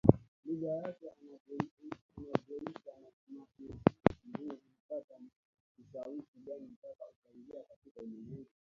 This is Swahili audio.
lugha yake anavyouita muziki huu Ulipata ushawishi gani mpaka ukaingia katika ulimwengu